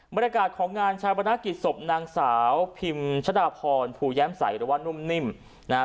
บรรยากาศของงานชาวประนักกิจศพนางสาวพิมชะดาพรภูแย้มใสหรือว่านุ่มนิ่มนะฮะ